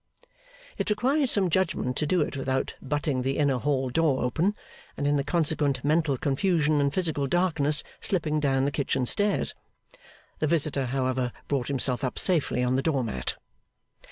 It required some judgment to do it without butting the inner hall door open, and in the consequent mental confusion and physical darkness slipping down the kitchen stairs. The visitor, however, brought himself up safely on the door mat.